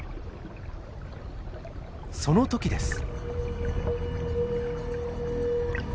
その時です。